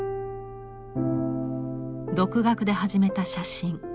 独学で始めた写真。